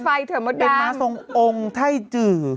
เป็นมาทรงโอ๊งไท่จึ